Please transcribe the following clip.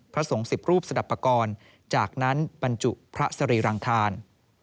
พระสงฆ์๑๐รูปสนับปกรณ์จากนั้นบรรจุพระสรีรังคาร